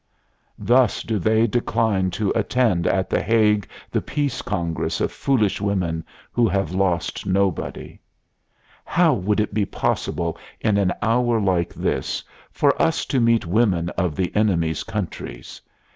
Thus do they decline to attend at The Hague the Peace Congress of foolish women who have lost nobody: "How would it be possible, in an hour like this, for us to meet women of the enemy's countries?...